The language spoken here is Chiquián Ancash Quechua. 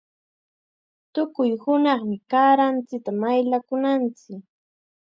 Tukuy hunaqmi kaaranchikta mayllakunanchik.